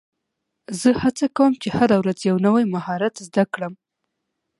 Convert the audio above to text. زه هڅه کوم، چي هره ورځ یو نوی مهارت زده کړم.